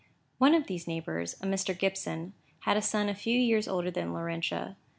One of these neighbours, a Mr. Gibson, had a son a few years older than Laurentia.